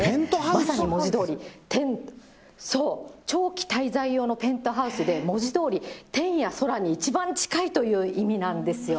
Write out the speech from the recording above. まさに文字通り、天、長期滞在用のペントハウスで、文字どおり、天や空に一番近いという意味なんですよ。